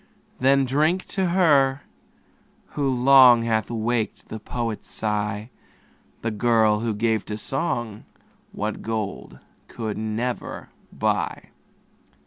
Then drink to her, who long Hath waked the poet's sigh, The girl, who gave to song What gold could never buy.